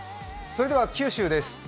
それでは九州です。